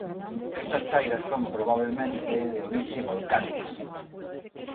Estas chairas son probablemente de orixe volcánica.